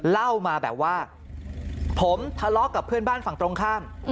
เล่ามาแบบว่าผมทะเลาะกับเพื่อนบ้านฝั่งตรงข้าม